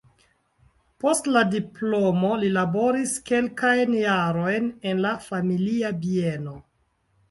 Post la diplomo li laboris kelkajn jarojn en la familia bieno.